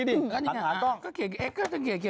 ลองสิลองสิ